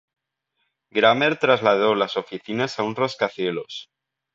Grammer trasladó las oficinas a un rascacielos.